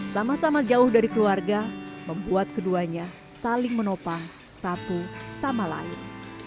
sama sama jauh dari keluarga membuat keduanya saling menopang satu sama lain